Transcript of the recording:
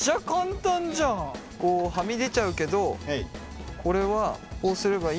こうはみ出ちゃうけどこれはこうすればいいから。